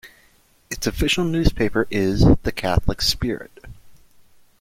Its official newspaper is "The Catholic Spirit".